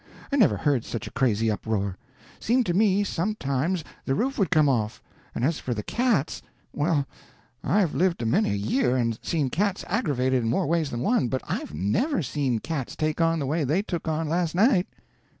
I never heard such a crazy uproar; seemed to me, sometimes, the roof would come off; and as for the cats well, I've lived a many a year, and seen cats aggravated in more ways than one, but I've never seen cats take on the way they took on last night."